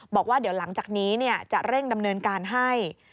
บอกว่าเดี๋ยวหลังจากนี้จะเร่งดำเนินการให้